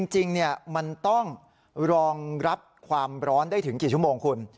จริงมันต้องรองรับความร้อนได้ถึงกี่ชั่วโมงคุณ